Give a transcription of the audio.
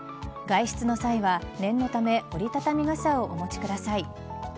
外出の際は念のため折り畳み傘をお持ちください。